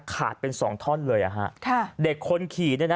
เป็นสองท่อนเลยอ่ะฮะค่ะเด็กคนขี่เนี่ยนะ